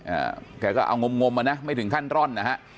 อ่าแกก็เอางมงมอ่ะนะไม่ถึงขั้นร่อนนะฮะ